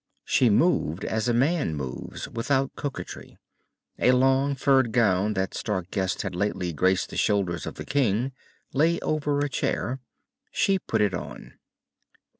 She moved as a man moves, without coquetry. A long furred gown, that Stark guessed had lately graced the shoulders of the king, lay over a chair. She put it on.